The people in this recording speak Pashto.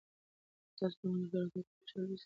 تاسو د ملکیار هوتک کوم شعر لوستی دی؟